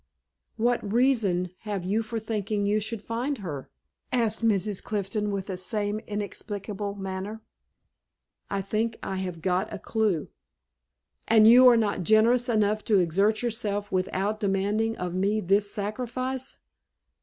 "What reason have you for thinking you should find her?" asked Mrs. Clifton, with the same inexplicable manner. "I think I have got a clew." "And are you not generous enough to exert yourself without demanding of me this sacrifice?"